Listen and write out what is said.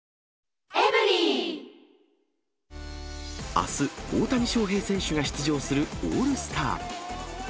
あす、大谷翔平選手が出場するオールスター。